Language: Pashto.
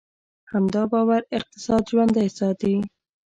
همدا باور اقتصاد ژوندی ساتي.